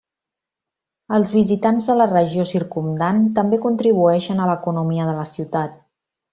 Els visitants de la regió circumdant també contribueixen a l'economia de la ciutat.